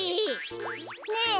ねえ。